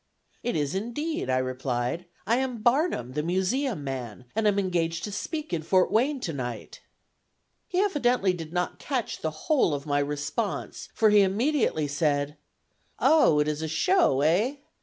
"It is indeed," I replied; "I am Barnum, the museum man, and am engaged to speak in Fort Wayne to night." He evidently did not catch the whole of my response, for he immediately said: "Oh, it is a show, eh?